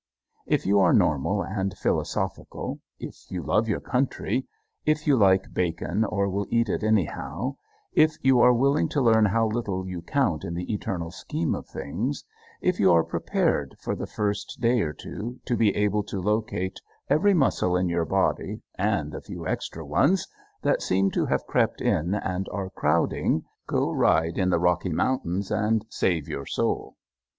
If you are normal and philosophical; if you love your country; if you like bacon, or will eat it anyhow; if you are willing to learn how little you count in the eternal scheme of things; if you are prepared, for the first day or two, to be able to locate every muscle in your body and a few extra ones that seem to have crept in and are crowding, go ride in the Rocky Mountains and save your soul.